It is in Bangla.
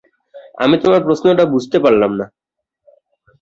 আমি তোমার প্রশ্নটা বুঝতে পারলাম না।